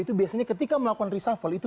itu biasanya ketika melakukan reshuffle itu